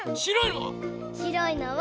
しろいのは？